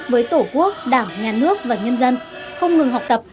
với tổ quốc đảng nhà nước và nhân dân không ngừng học tập